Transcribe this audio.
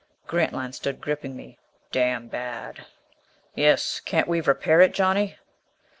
Grantline stood gripping me. "Damn bad." "Yes. Can't we repair it, Johnny?"